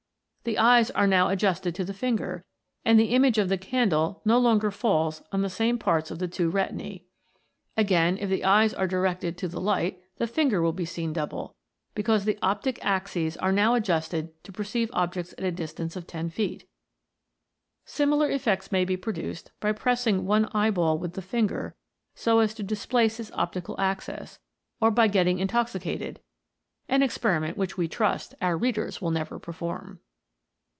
The eyes are now adjusted to the finger, and the image of the candle no longer falls on the same parts of the two retinae. Again, if the eyes be directed to the light, the finger will be seen double, because the optic axes are now adjusted to perceive objects at a distance of ten feet. Similar effects may be pro duced by pressing one eyeball with the finger so as to displace its optical axis, or by getting intoxicated, an experiment which we trust our readers will never perform.